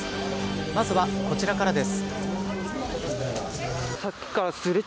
まずは、こちらからです。